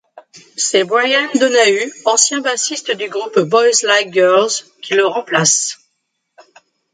C'est Bryan Donahue, ancien bassiste du groupe Boys Like Girls, qui le remplace.